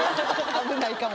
危ないかもです。